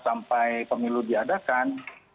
sampai pemilu diadakan